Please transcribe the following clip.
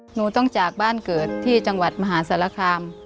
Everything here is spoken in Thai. หนูต้องจากบ้านเกิดที่จังหวัดมหาสารคาม